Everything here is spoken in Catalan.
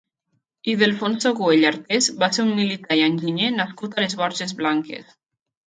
Ildefonso Güell Arqués va ser un militar i enginyer nascut a les Borges Blanques.